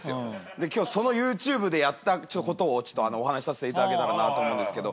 今日そのＹｏｕＴｕｂｅでやったことをお話しさせていただけたらなと思うんですけど。